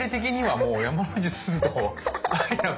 もう。